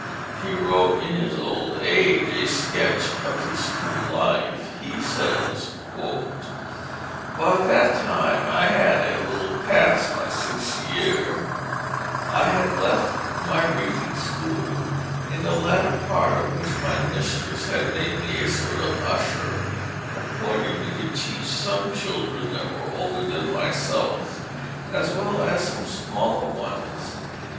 He wrote in his old age a sketch of his school life. He says: "By that time I had a little passed my sixth year I had left my reading school, in the latter part of which my mistress had made me a sort of usher appointing me to teach some children that were older than myself as well as some smaller ones.